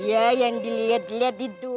iya yang dilihat lihat itu